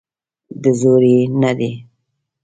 د زور یې نه دی.